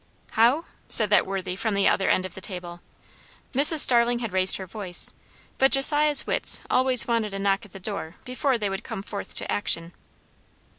"How?" said that worthy from the other end of the table. Mrs. Starling had raised her voice, but Josiah's wits always wanted a knock at the door before they would come forth to action.